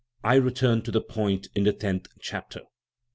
I return to the point in the tenth chapter.